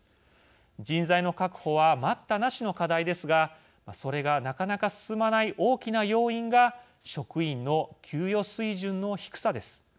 人材の確保は待ったなしの課題ですがそれがなかなか進まない大きな要因が職員の給与水準の低さです。